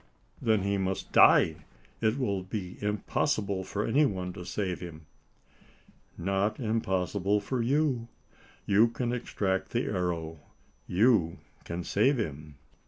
"Then he must die: it will be impossible for any one to save him." "Not impossible for you. You can extract the arrow you can save him!"